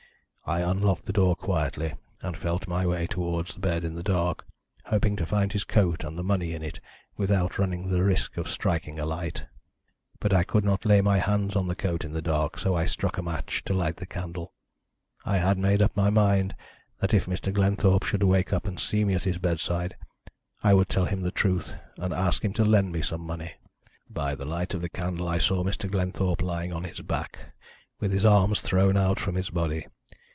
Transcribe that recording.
I unlocked the door quietly, and felt my way towards the bed in the dark, hoping to find his coat and the money in it without running the risk of striking a light. "But I could not lay my hands on the coat in the dark, so I struck a match to light the candle. I had made up my mind that if Mr. Glenthorpe should wake up and see me at his bedside I would tell him the truth and ask him to lend me some money. "By the light of the candle I saw Mr. Glenthorpe lying on his back, with his arms thrown out from his body.